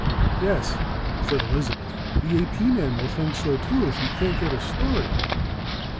"Yes," said Elizabeth. "The AP man will think so too, if he can't get a story."